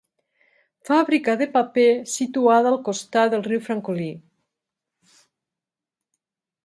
Fàbrica de paper, situada al costat del riu Francolí.